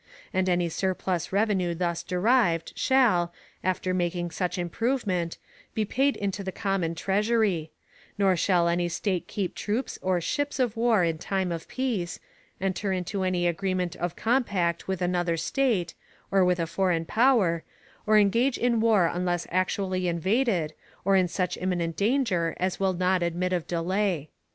And any surplus revenue thus derived shall, after making such improvement, be paid into the common Treasury; nor shall any_ State keep troops or ships of war in time of peace, enter into any agreement of compact with another State, or with a foreign power, or engage in war unless actually invaded, or in such imminent danger as will not admit of delay.